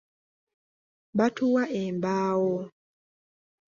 Batuwa embaawo.